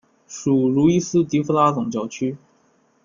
属茹伊斯迪福拉总教区。